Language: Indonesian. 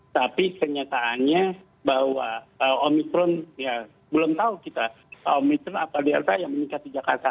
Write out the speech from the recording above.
tapi kenyataannya bahwa omikron ya belum tahu kita omikron apa delta yang meningkat di jakarta